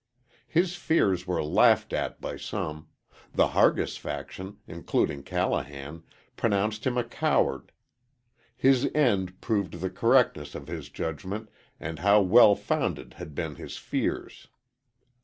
His fears were laughed at by some; the Hargis faction, including Callahan, pronounced him a coward. His end proved the correctness of his judgment and how well founded had been his fears.